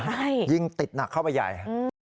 ใช่ยิ่งติดหนักเข้าไปใหญ่